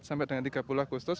sampai dengan tiga puluh agustus